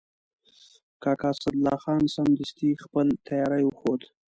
کاکا اسدالله خان سمدستي خپل تیاری وښود.